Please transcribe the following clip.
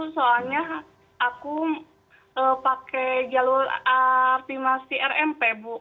soalnya aku pakai jalur artimasi rmp bu